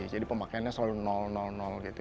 jadi pemakaiannya selalu gitu